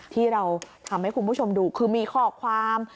ที่เราทำให้คุณผู้ชมดูคือมีข้อความ